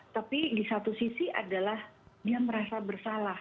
tapi di satu sisi adalah dia merasa bersalah